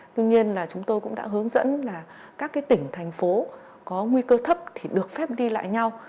tuy nhiên là chúng tôi cũng đã hướng dẫn là các cái tỉnh thành phố có nguy cơ thấp thì được phép đi lại nhau